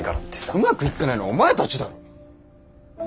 うまくいってないのはお前たちだろ。